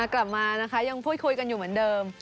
กลับมานะคะยังพูดคุยกันอยู่เหมือนเดิม